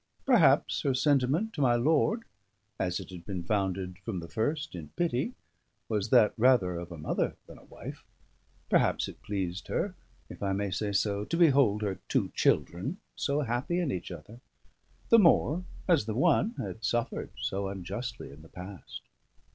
Perhaps her sentiment to my lord, as it had been founded from the first in pity, was that rather of a mother than a wife; perhaps it pleased her if I may say so to behold her two children so happy in each other; the more as one had suffered so unjustly in the past.